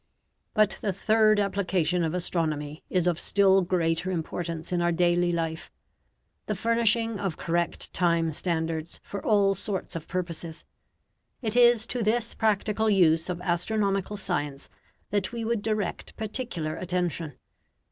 But the third application of astronomy is of still greater importance in our daily life the furnishing of correct time standards for all sorts of purposes. It is to this practical use of astronomical science that we would direct particular attention.